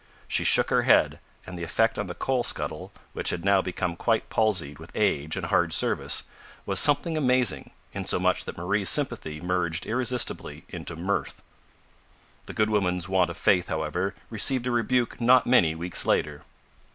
She shook her head, and the effect on the coal scuttle, which had now become quite palsied with age and hard service, was something amazing, insomuch that Marie's sympathy merged irresistibly into mirth. The good woman's want of faith, however, received a rebuke not many weeks later.